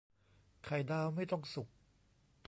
ไข่ดาวไม่ต้องสุก